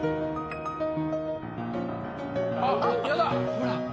ほら！